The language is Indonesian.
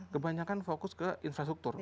kebanyakan fokus ke infrastruktur